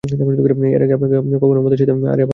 এর আগে আপনাকে কখনো মদের সাথে আরে আবাল, মারবো এক চড়।